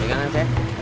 tinggal kan cek